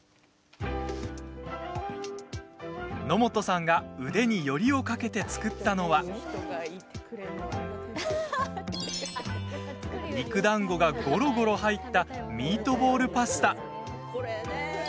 野本さんが腕によりをかけて作ったのは肉だんごが、ごろごろ入ったミートボールパスタ。